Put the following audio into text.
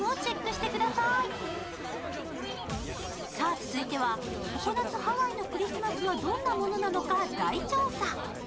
続いては、常夏ハワイのクリスマスはどんなものなのか大調査。